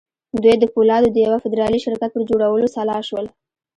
دوی د پولادو د یوه فدرالي شرکت پر جوړولو سلا شول